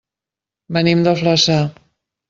Venim de Flaçà.